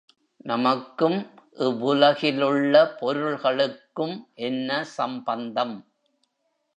நமக்கும் இவ்வுலகிலுள்ள பொருள்களுக்கும் என்ன சம்பந்தம்?